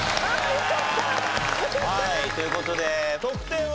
よかった！という事で得点は？